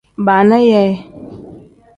Baana yee.